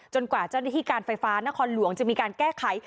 กว่าเจ้าหน้าที่การไฟฟ้านครหลวงจะมีการแก้ไข